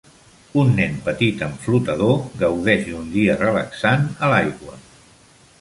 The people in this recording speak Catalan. Un nen petit amb flotador gaudeix d'un dia relaxant a l'aigua.